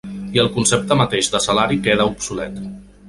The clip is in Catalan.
I el concepte mateix de salari queda obsolet.